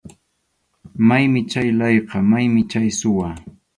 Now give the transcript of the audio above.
Maymi chay layqa, maymi chay suwa.